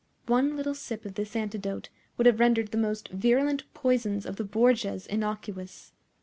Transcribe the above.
One little sip of this antidote would have rendered the most virulent poisons of the Borgias innocuous.